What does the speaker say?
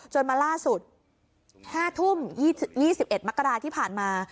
มาล่าสุด๕ทุ่ม๒๑มกราที่ผ่านมา